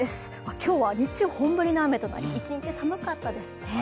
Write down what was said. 今日は一日中、本降りの雨となり、一日寒かったですね。